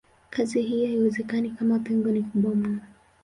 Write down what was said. Kazi hii haiwezekani kama pengo ni kubwa mno.